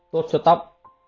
sáu tốt cho tóc